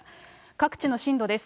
各地の震度です。